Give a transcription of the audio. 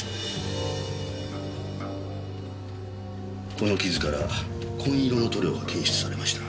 この傷から紺色の塗料が検出されました。